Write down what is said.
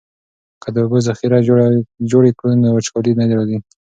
که د اوبو ذخیرې جوړې کړو نو وچکالي نه راځي.